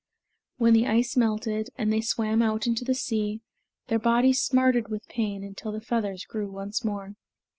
When the ice melted, and they swam out into the sea, their bodies smarted with pain until the feathers grew once more.